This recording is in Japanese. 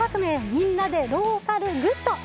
みんなでローカルグッド」。